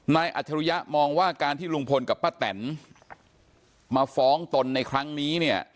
อัจฉริยะมองว่าการที่ลุงพลกับป้าแตนมาฟ้องตนในครั้งนี้เนี่ย